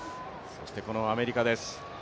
そしてアメリカです。